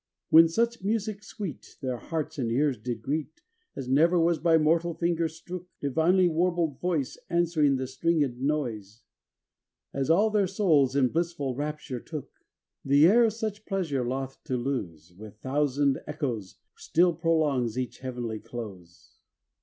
588 ON THE MORNING OF CHRIST'S NATIVITY IX When such music sweet Their hearts and cars did greet As never was by mortal finger strook, Divinely warbled voice Answering the stringed noise, As all their souls in blissful rapture took: The air, such pleasure loth to lose, With thousand echoes still prolongs each heavenly close.